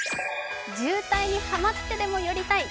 渋滞にハマってでも寄りたい！